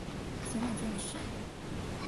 前母郑氏。